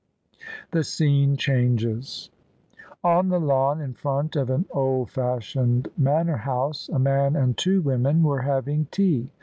THE SCENE CHANGES On the lawn in front of an old fashioned manor house a man and two women were having tea.